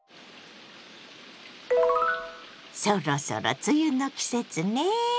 そろそろ梅雨の季節ね。